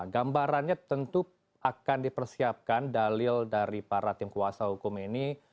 gambarannya tentu akan dipersiapkan dalil dari para tim kuasa hukum ini